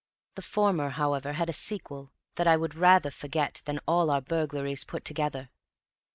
The former, however, had a sequel that I would rather forget than all our burglaries put together.